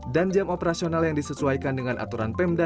dan jam operasional yang disesuaikan dengan aturan pemda